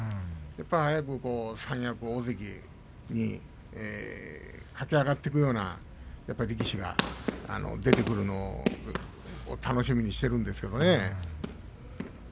早く三役、大関に駆け上がっていくような力士が出てくるのを楽しみにしているんですけどね。